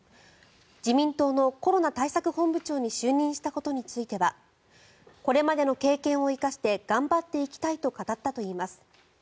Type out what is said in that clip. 自民党のコロナ対策本部長に就任したことについてはこれまでの経験を生かして頑張っていきたいと語ったといいます。